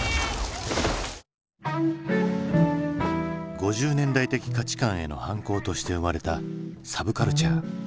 ５０年代的価値観への反抗として生まれたサブカルチャー。